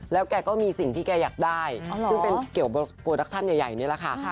แล้วแกก็มีสิ่งที่แกอยากได้ซึ่งเป็นเกี่ยวโปรดักชั่นใหญ่นี่แหละค่ะ